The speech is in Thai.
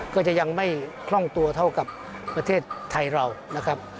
ก็จะยังไม่คล่องตัวเท่ากับประเทศไทยเรานะครับ